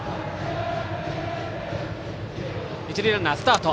一塁ランナー、スタート。